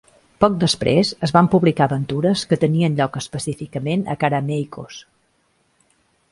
Poc després, es van publicar aventures que tenien lloc específicament a Karameikos.